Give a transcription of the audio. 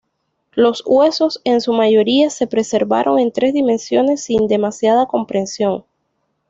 Los huesos en su mayoría se preservaron en tres dimensiones, sin demasiada compresión.